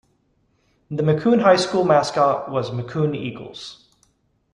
The McCune High School mascot was McCune Eagles.